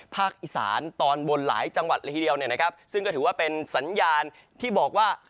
ภาคอีสานตอนบนหลายจังหวัดละทีเดียวเนี่ยนะครับซึ่งก็ถือว่าเป็นสัญญาณที่บอกว่า